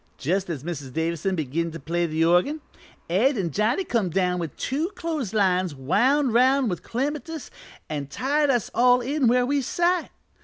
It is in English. "Just as Mrs. Davison begin to play the organ, Ed an' Johnny come down with two clothes lines wound 'round with clematis an' tied us all in where we sat.